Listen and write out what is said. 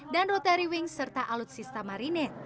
dan rotary wing serta alutsista marine